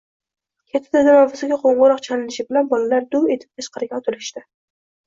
Katta tanaffusga qo‘ng‘iroq chalinishi bilan bolalar duv etib tashqariga otilishdi